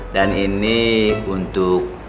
dan ini untuk